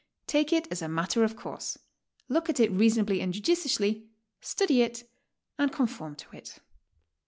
Take it as a matter of course, look at it reasonably and judiciously, study it, and conform to it.